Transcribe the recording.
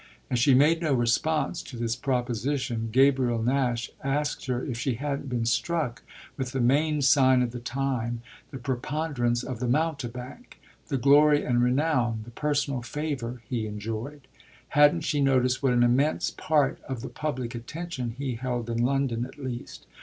As she made no response to this proposition Gabriel Nash asked her if she hadn't been struck with the main sign of the time, the preponderance of the mountebank, the glory and renown, the personal favour, he enjoyed. Hadn't she noticed what an immense part of the public attention he held in London at least?